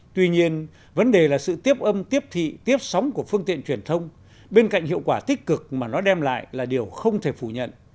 tuy nhiên vấn đề là sự tiếp âm tiếp thị tiếp sóng của phương tiện truyền thông bên cạnh hiệu quả tích cực mà nó đem lại là điều không thể phủ nhận